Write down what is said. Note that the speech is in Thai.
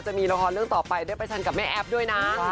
จะมีละครเรื่องต่อไปได้ประชันกับแม่แอ๊บด้วยนะ